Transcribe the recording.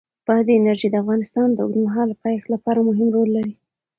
بادي انرژي د افغانستان د اوږدمهاله پایښت لپاره مهم رول لري.